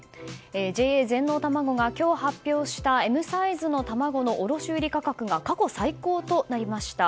ＪＡ全農たまごが今日発表したＭサイズの卵の卸売価格が過去最高となりました。